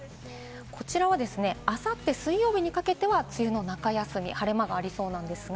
こちらはあさって水曜日にかけては梅雨の中休み、晴れ間がありそうです。